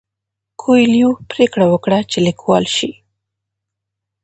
کویلیو پریکړه وکړه چې لیکوال شي.